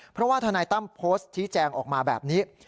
เพราะว่าทนายตั้มโพสต์ชี้แจงออกมาแบบนี้